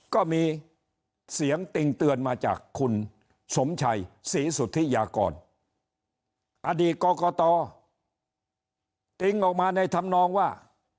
ก็มีเสียงติ่งเตือนมาจากคุณสมชัยศรีสุธิยากรอดีตกรกตติ้งออกมาในธรรมนองว่า